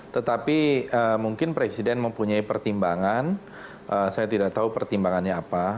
tetapi mungkin presiden mempunyai pertimbangan saya tidak tahu pertimbangannya apa